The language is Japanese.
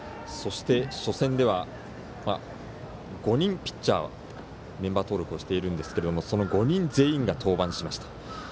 初戦では５人ピッチャーメンバー登録をしているんですがその５人全員が登板しました。